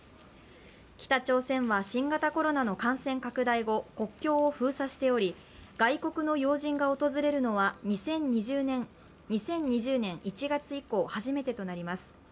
北朝鮮は新型コロナの感染拡大後、国境を封鎖しており、外国の要人が訪れるのは２０２０年１月以降初めてとなります。